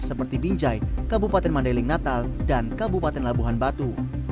seperti binjai kabupaten mandailing natal dan kabupaten labuhan batu